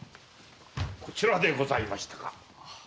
こちらでございましたか。